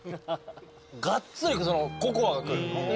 がっつりココアがくる。